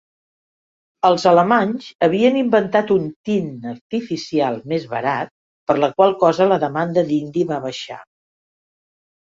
Els alemanys havien inventat un tint artificial més barat, per la qual cosa la demanda d'indi va baixar.